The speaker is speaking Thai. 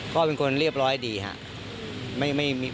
เขาเป็นคนเรียบร้อยดีค่ะไม่เกรลไม่อะไรครับ